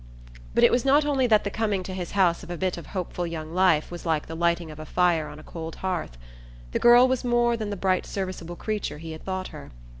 But it was not only that the coming to his house of a bit of hopeful young life was like the lighting of a fire on a cold hearth. The girl was more than the bright serviceable creature he had thought her.